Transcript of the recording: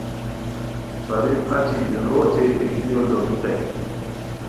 طبیب اچی یُورو اوچے لیگینیو لوڑیتائے